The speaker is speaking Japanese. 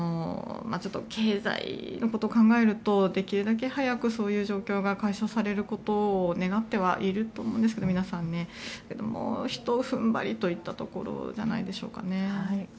ちょっと経済のことを考えるとできるだけ早くそういう状況が解消されることを皆さん願ってはいると思うんですけどもうひと踏ん張りといったところじゃないですかね。